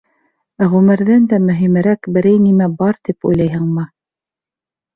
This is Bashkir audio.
Ғүмерҙән дә мөһимерәк берәй нимә бар тип уйлайһыңмы?